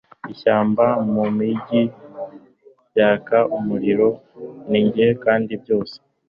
Ishyamba numujyi byaka umuriro ninjye kandi byose